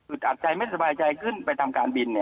อัดใจไม่สบายใจขึ้นไปทำการบิน